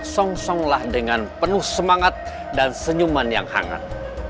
songsonglah dengan penuh semangat dan senyuman yang hangat